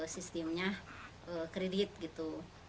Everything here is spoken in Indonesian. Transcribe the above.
sistemnya kredit gitu